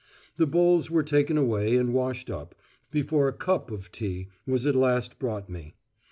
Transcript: The bowls were taken away and washed up, before a cup of tea was at last brought me.